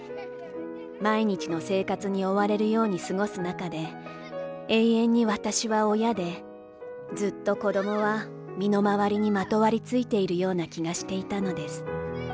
毎日の生活に追われるように過ごす中で、永遠に私は親で、ずっと子供は身の回りにまとわりついているような気がしていたのです。